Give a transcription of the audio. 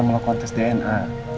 melakukan tes dna